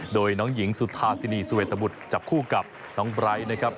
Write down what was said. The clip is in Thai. โดยน้องหญิงสุธาสินีสุเวตบุตรจับคู่กับน้องไบร์ทนะครับ